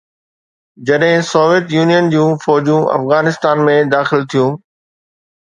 جڏهن Soviet Union جون فوجون افغانستان ۾ داخل ٿيون.